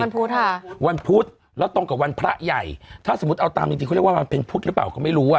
พุธค่ะวันพุธแล้วตรงกับวันพระใหญ่ถ้าสมมุติเอาตามจริงจริงเขาเรียกว่ามันเป็นพุทธหรือเปล่าก็ไม่รู้อ่ะ